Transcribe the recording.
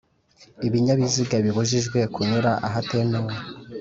Ibinyabiziga bibujijwe kunyura ahatemewe.